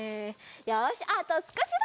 よしあとすこしだ！